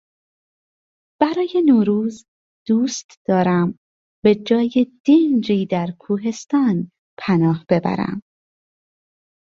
برای نوروز دوست دارم به جای دنجی در کوهستان پناه ببرم.